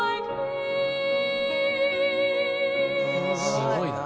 すごいな。